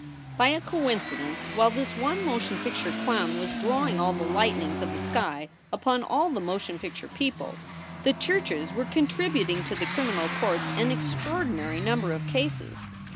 By a coincidence, while this one motion picture clown was drawing all the lightnings of the sky upon all the motion picture people, the churches were contributing to the crim inal courts an extraordinary number of cases.